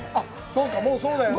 そうか、もうそうだよね。